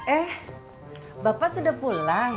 eh bapak sudah pulang